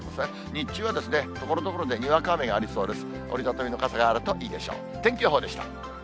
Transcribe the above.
日中はところどころでにわか雨がありそうです。